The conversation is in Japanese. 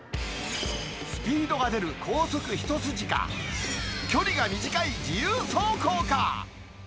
スピードが出る高速一筋か、距離が短い自由走行か。